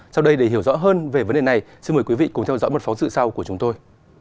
sau đây để hiểu rõ hơn về vấn đề này xin mời quý vị cùng theo dõi một phóng sự sau của chúng tôi